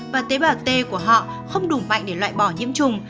và tế bào t của họ không đủ mạnh để loại bỏ nhiễm trùng